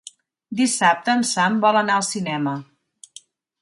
Dissabte en Sam vol anar al cinema.